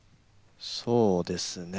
そうですね。